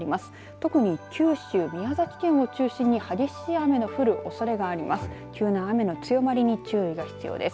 特に九州、宮崎県を中心に激しい雨の降るおそれがあります。